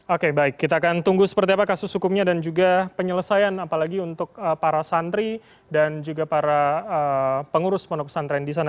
oke baik kita akan tunggu seperti apa kasus hukumnya dan juga penyelesaian apalagi untuk para santri dan juga para pengurus pondok pesantren di sana